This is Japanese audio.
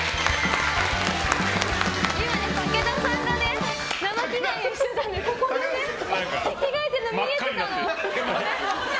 今、武田さんが生着替えをしててここで着替えてるの見えてたの。